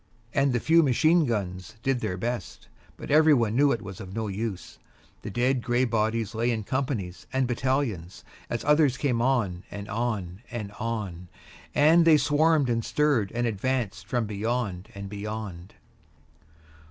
And the few machine guns did their best. But everybody knew it was of no use. The dead gray bodies lay in companies and battalions, as others came on and on and on, and they swarmed and stirred, and advanced from beyond and beyond.